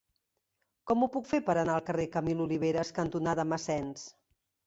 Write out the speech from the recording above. Com ho puc fer per anar al carrer Camil Oliveras cantonada Massens?